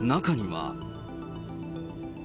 中には。